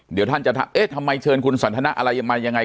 เดี๋ยวท่านจะถามเอ๊ะทำไมเชิญคุณสันทนาอะไรยังไง